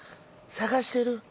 探してる？